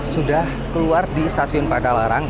sudah keluar di stasiun padalarang